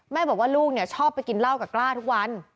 บอกว่าลูกชอบไปกินเหล้ากับกล้าทุกวัน